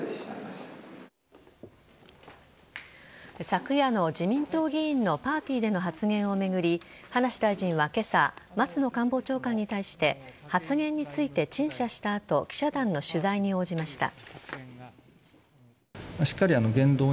昨夜の自民党議員のパーティーでの発言を巡り葉梨大臣は今朝松野官房長官に対して発言について陳謝した後記者団の取材に応じました。